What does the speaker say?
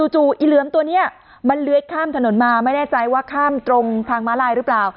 จู่อีเหลือมตัวนี้มันเลื้อยข้ามถนนมาไม่แน่ใจว่าข้ามตรงทางม้าลายหรือเปล่า